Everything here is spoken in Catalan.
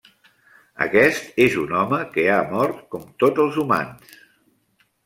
Aquest és un home que ha mort com tots els humans.